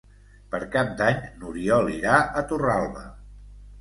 Per Cap d'Any n'Oriol irà a Torralba.